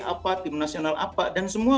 apa tim nasional apa dan semua